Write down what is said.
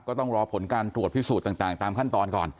ก็ต้องรอผลการตรวจพิสูจน์ต่างตามขั้นตอนก่อน